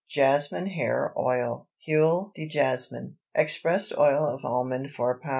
JASMINE HAIR OIL (HUILE DE JASMIN). Expressed oil of almond 4 lb.